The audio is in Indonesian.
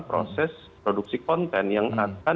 proses produksi konten yang akan